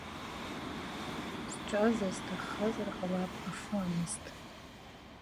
Сҿазар сҭаххазар ҟалап, афы амыст.